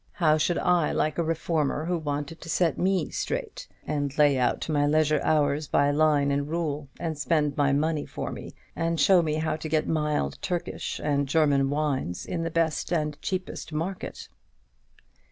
How should I like a reformer who wanted to set me straight, and lay out my leisure hours by line and rule, and spend my money for me, and show me how to get mild Turkish, and German wines, in the best and cheapest market?"